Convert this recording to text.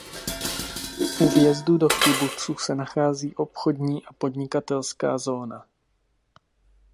U vjezdu do kibucu se nachází obchodní a podnikatelská zóna.